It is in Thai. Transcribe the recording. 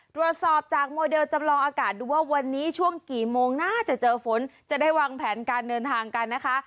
ตรวจสอบจากโมเดลจำลองอากาศดูว่าวันนี้ช่วงกี่โมงน่าจะเจอฝนจะได้วางแผนการเดินทางกันนะคะ